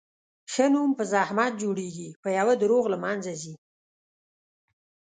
ښه نوم په زحمت جوړېږي، په یوه دروغ له منځه ځي.